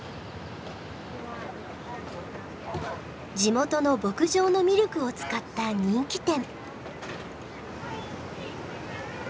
地元の牧場のミルクを使った人気店。